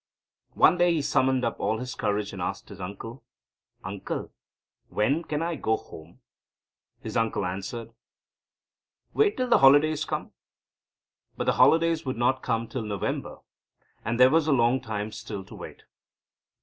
One day he summoned up all his courage, and asked his uncle: "Uncle, when can I go home?" His uncle answered; "Wait till the holidays come." But the holidays would not come till November, and there was a long time still to wait.